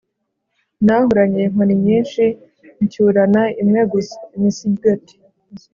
Nahuranye inkoni nyinshi ncyurana imwe gusa-Imisigati.